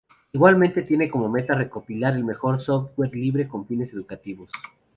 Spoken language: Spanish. Igualmente tiene como meta recopilar el mejor software libre con fines educativos.